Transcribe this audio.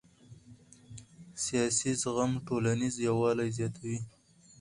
سیاسي زغم ټولنیز یووالی زیاتوي